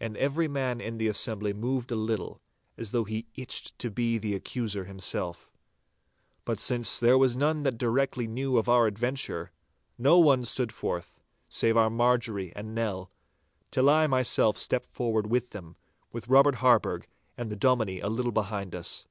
And every man in the assembly moved a little, as though he itched to be the accuser himself. But since there was none that directly knew of our adventure, no one stood forth save our Marjorie and Nell, till I myself stepped forth with them, with Robert Harburgh and the Dominie a little behind us.